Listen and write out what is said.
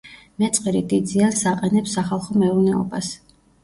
მეწყერი დიდ ზიანს აყენებს სახალხო მეურნეობას.